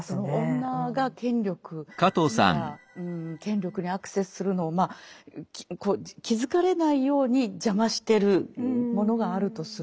女が権力富や権力にアクセスするのを気付かれないように邪魔してるものがあるとする。